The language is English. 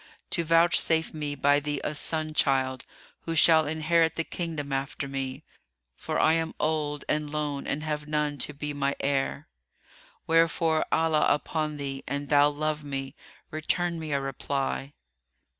to vouchsafe me by thee a son child, who shall inherit the kingdom after me; for I am old and lone and have none to be my heir. Wherefore, Allah upon thee, an thou love me, return me a reply."